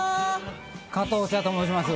加藤茶と申します。